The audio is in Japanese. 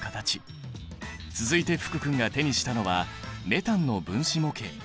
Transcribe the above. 続いて福君が手にしたのはメタンの分子模型。